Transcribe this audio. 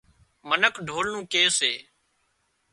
منک ڍول نُون ڪي سي